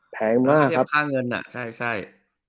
แพงมากจบต้องเป็นแค่เทียบค่าเงิน